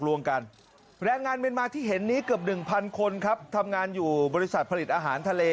แรงงานเมียนมาที่เห็นนี้เกือบ๑๐๐๐คนครับทำงานอยู่บริษัทผลิตอาหารทะเล